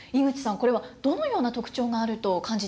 これはどのような特徴があると感じていらっしゃいますか？